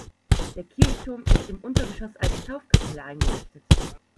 Der Kirchturm ist im Untergeschoss als Taufkapelle eingerichtet.